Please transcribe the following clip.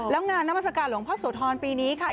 แล้วงานนามสการหลวงพ่อโสธรปีนี้ค่ะ